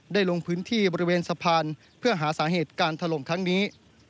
ลงพื้นที่บริเวณสะพานเพื่อหาสาเหตุการถล่มครั้งนี้